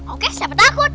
oke siapa takut